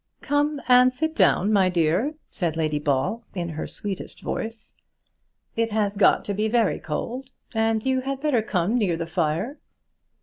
"Come and sit down, my dear," said Lady Ball, in her sweetest voice. "It has got to be very cold, and you had better come near the fire."